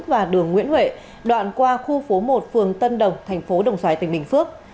và đường nguyễn huệ đoạn qua khu phố một phường tân đồng tp đồng xoài tp bình phước